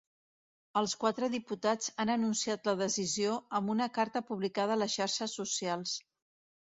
Els quatre diputats han anunciat la decisió amb una carta publicada les xarxes socials.